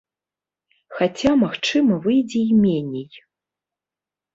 Хаця, магчыма, выйдзе і меней.